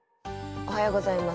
おはようございます。